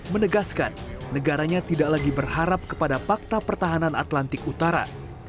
menegaskan negaranya tidak lagi berharap kepada fakta pertahanan atlantik utara